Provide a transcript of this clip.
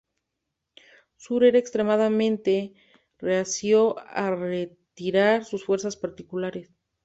Zur era extremadamente reacio a retirar sus fuerzas particulares.